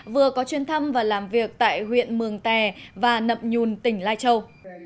vừa có chuyên thăm và làm việc tại huyện mường tè và nậm nhùn tỉnh lai châu